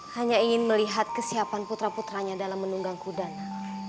hanya ingin melihat kesiapan putra putranya dalam menunggang kudana